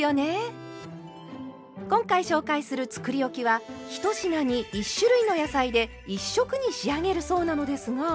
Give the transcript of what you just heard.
今回紹介するつくりおきは１品に１種類の野菜で１色に仕上げるそうなのですが。